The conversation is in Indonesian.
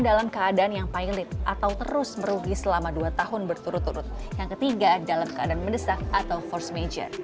dalam keadaan yang paling lipat atau terus merugi selama dua tahun berturut turut yang ketiga dalam